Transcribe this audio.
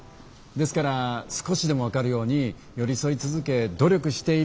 ですから少しでも分かるように寄り添い続け努力している。